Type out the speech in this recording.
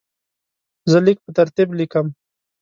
زه لیک په ترتیب لیکم.